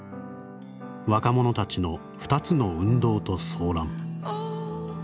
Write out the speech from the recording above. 若者たちの２つの運動と騒乱」。